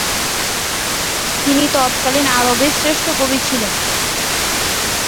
তিনি তৎকালীন আরবের শ্রেষ্ঠ কবি ছিলেন।